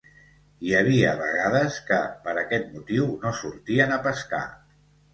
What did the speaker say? Hi havia vegades que, per aquest motiu, no sortien a pescar.